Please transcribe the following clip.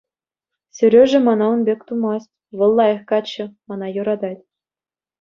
Сережа мана ун пек тумасть, вӑл лайӑх каччӑ, мана юратать.